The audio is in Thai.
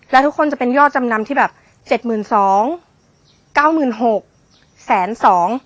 และทุกคนจะเป็นยอดจำนำที่แบบเจ็ดหมื่นสองเก้าหมื่นหกแสนสอง